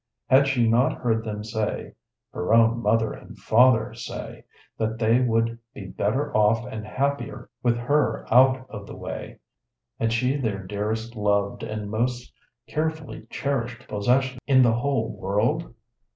Had she not heard them say, her own mother and father say, that they would be better off and happier with her out of the way, and she their dearest loved and most carefully cherished possession in the whole world?